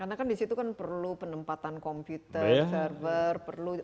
karena kan disitu kan perlu penempatan komputer server